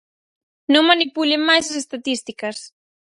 Non manipulen máis as estatísticas.